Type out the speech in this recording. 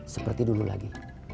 seperti dulu lagi